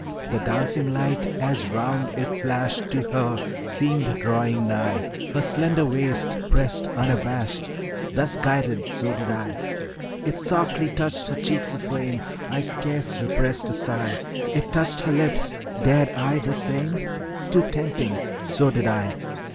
The dancing light as round it flashed To her seemed drawing nigh, Her slender waist pressed unabashed; Thus guided, so did I. It softly touched her cheeks aflame. I scarce repressed a sigh. It touched her lips. Dared I the same? Too tempting; so did I.